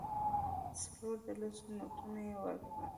څلور د لسو نوټونه یې ورکړل.